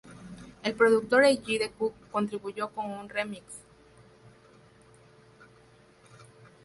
El productor A. G. de Cook contribuyó con un remix.